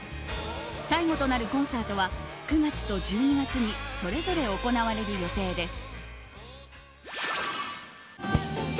最後となるコンサートは９月と１２月にそれぞれ行われる予定です。